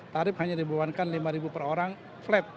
tarif hanya dibewankan lima per orang flat